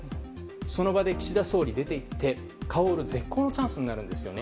その場で岸田総理が出て行って顔を売る絶好のチャンスになるんですね。